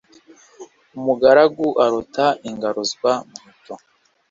umugaragu aruta ingaruzwa muheto